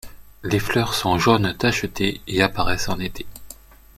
Les fleurs sont jaunes tachetées et apparaissent en été.